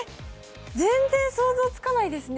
全然想像つかないですね。